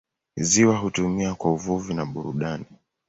Ziwa hutumiwa kwa uvuvi na burudani.